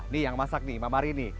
nih yang masak nih mam marini